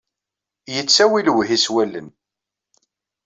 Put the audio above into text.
Yettawi lewhi s wallen.